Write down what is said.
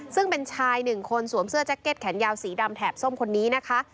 ซึ่งเป็นชายหนึ่งคนสวมเสื้อแจ็คเก็ตแขนยาวสีดำแถบส้มคนนี้นะคะ